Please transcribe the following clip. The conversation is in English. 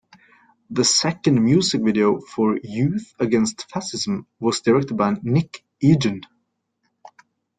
The second music video, for "Youth Against Fascism", was directed by Nick Egan.